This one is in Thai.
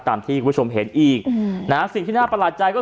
มันตรงกันพอดีอ่ะ